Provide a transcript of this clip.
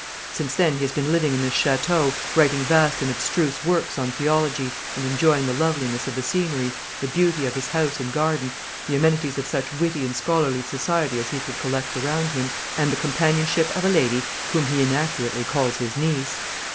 Since then he has been living in this château, writing vast and abstruse works on theology and enjoying the loveliness of the scenery, the beauty of his house and garden, the amenities of such witty and scholarly society as he could collect around him, and the companionship of a lady whom he inaccurately calls his niece.